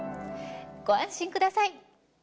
ご安心ください。